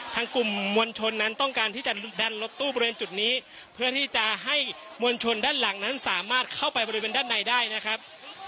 กลุ่มมวลชนนั้นต้องการที่จะดันรถตู้บริเวณจุดนี้เพื่อที่จะให้มวลชนด้านหลังนั้นสามารถเข้าไปบริเวณด้านในได้นะครับ